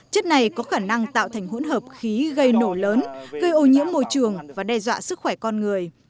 chất này có khả năng tạo thành hỗn hợp khí gây nổ lớn gây ô nhiễm môi trường và đe dọa sức khỏe con người